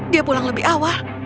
dia pulang lebih awal